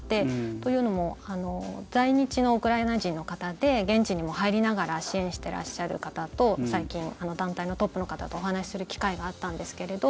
というのも在日のウクライナ人の方で現地にも入りながら支援してらっしゃる方と、最近団体のトップの方とお話しする機会があったんですけれど。